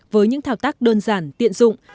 với những thao tác đơn giản tiện dụng